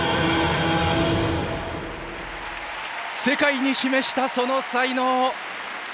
世界に示したその才能。